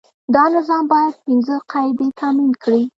دا نظام باید پنځه قاعدې تامین کړي.